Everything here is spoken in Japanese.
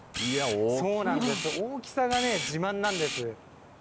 そうなんです、大きさが自慢なんです。